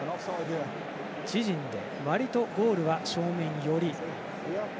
自陣で割とゴールは正面寄り。